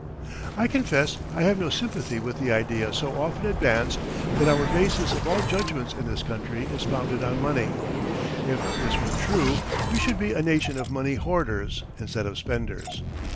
I confess I have no sympathy with the idea so often advanced that our basis of all judgments in this country is founded on money. If this were true, we should be a nation of money hoarders instead of spenders.